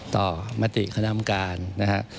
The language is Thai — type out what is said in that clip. ต่อมติขนามการนะครับ